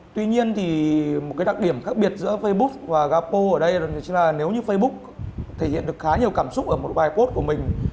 tuy nhiên thì một cái đặc điểm khác biệt giữa facebook và gapo ở đây là nếu như facebook thể hiện được khá nhiều cảm xúc ở một bài post của mình